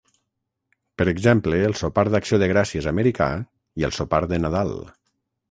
Per exemple el sopar d'acció de gràcies americà i el sopar de Nadal.